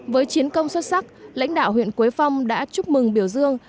với chiến công xuất sắc lãnh đạo huyện quế phong đã chúc mừng biểu dương